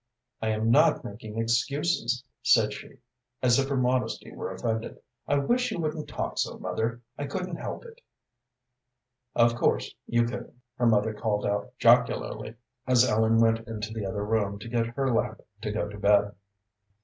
"I am not making excuses," said she, as if her modesty were offended. "I wish you wouldn't talk so, mother. I couldn't help it." "Of course you couldn't," her mother called out jocularly, as Ellen went into the other room to get her lamp to go to bed.